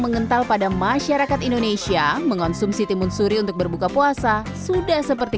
mengental pada masyarakat indonesia mengonsumsi timun suri untuk berbuka puasa sudah seperti